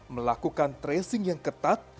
melakukan tracing yang ketat